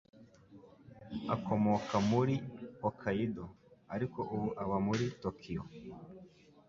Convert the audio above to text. Akomoka muri Hokkaido, ariko ubu aba muri Tokiyo.